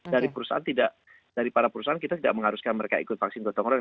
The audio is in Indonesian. dari perusahaan tidak dari para perusahaan kita tidak mengharuskan mereka ikut vaksin gotong royong